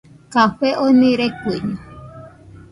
Café oni rekuiño